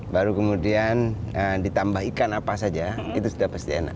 baru kemudian ditambah ikan apa saja itu sudah pasti enak